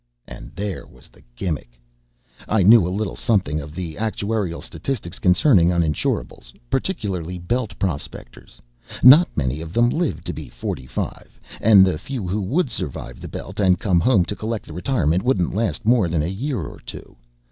And there was the gimmick. I knew a little something of the actuarial statistics concerning uninsurables, particularly Belt prospectors. Not many of them lived to be forty five, and the few who would survive the Belt and come home to collect the retirement wouldn't last more than a year or two.